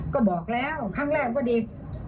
ก็บอกแล้วครั้งแรกก็ดี